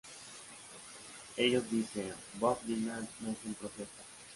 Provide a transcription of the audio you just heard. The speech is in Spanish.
Ellos dicen: "Bob Dylan no es un profeta".